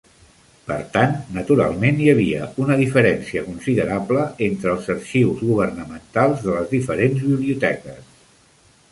Per tant, naturalment, hi havia una diferència considerable entre els arxius governamentals de les diferents biblioteques.